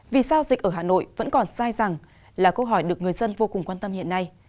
vì sao dịch ở hà nội vẫn còn sai rằng là câu hỏi được người dân vô cùng quan tâm hiện nay